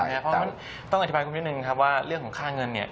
เพราะมันต้องอธิบายคุณนิดหนึ่งว่าเรื่องของค่าเงิน